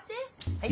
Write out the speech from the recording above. はい。